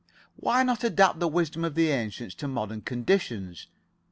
Why not adapt the wisdom of the ancients to modern conditions?